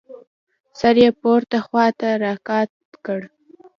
سر يې پورته خوا راقات کړ.